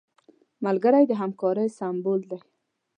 ملګری د همکارۍ سمبول دی